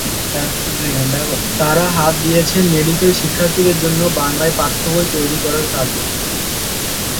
তাঁরা হাত দিয়েছেন মেডিকেল শিক্ষার্থীদের জন্য বাংলায় পাঠ্যবই তৈরি করার কাজে।